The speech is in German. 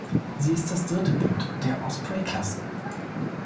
Sie ist das dritte Boot der "Osprey"-Klasse.